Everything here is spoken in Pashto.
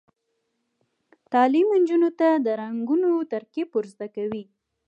تعلیم نجونو ته د رنګونو ترکیب ور زده کوي.